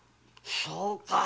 そうか！